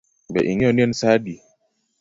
Be ing'eyo ni en saa adi?